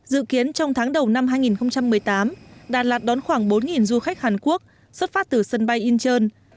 dự kiến trong tháng đầu năm hai nghìn một mươi tám đà lạt đón khoảng bốn du khách hàn quốc xuất phát từ sân bay incheon